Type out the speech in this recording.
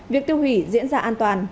việc tiêu hủy diễn ra an toàn